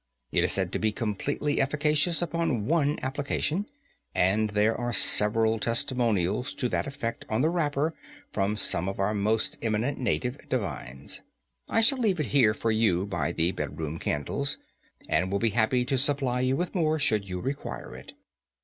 It is said to be completely efficacious upon one application, and there are several testimonials to that effect on the wrapper from some of our most eminent native divines. I shall leave it here for you by the bedroom candles, and will be happy to supply you with more, should you require it."